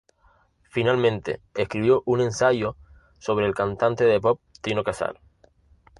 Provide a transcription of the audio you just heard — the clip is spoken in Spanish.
Finalmente, escribió un ensayo sobre el cantante de pop Tino Casal.